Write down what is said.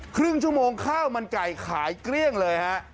ครึ่งชั่วโมงข้าวมันไก่ขายเกลี้ยงเลยฮะ